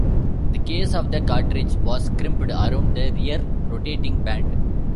The case of the cartridge was crimped around the rear rotating band.